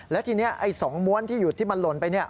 และทีนี้๒ม้วนที่มันหล่นไปเนี่ย